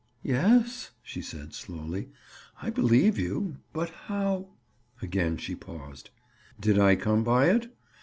"Yes," she said slowly, "I believe you. But how—?" Again she paused. "Did I come by it?